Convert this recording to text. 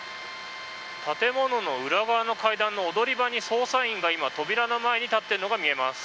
建物の裏側の階段の踊り場に捜査員が今、扉の前に立っているのが見えます。